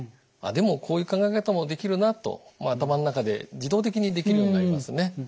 でもこういう考え方もできるな」と頭の中で自動的にできるようになりますね。